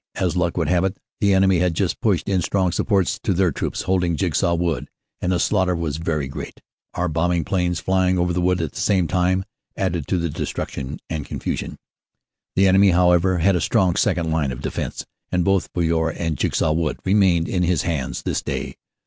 As luck would have it, the enemy had just pushed in strong supports to their troops holding Jigsaw Wood, and the slaughter was very great. Our bombing planes, flying over the wood at the same time, added to the destruction and confusion. The enemy, however, had a strong second line of defense and both Boiry and Jigsaw Wood remained in his hands this day.